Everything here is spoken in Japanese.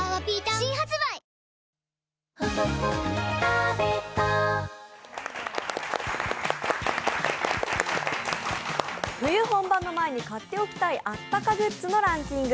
新発売冬本番の前に買っておきたいあったかグッズのランキング。